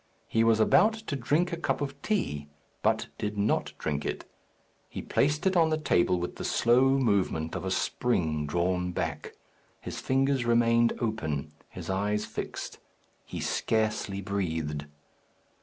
He was about to drink a cup of tea, but did not drink it. He placed it on the table with the slow movement of a spring drawn back; his fingers remained open, his eyes fixed. He scarcely breathed.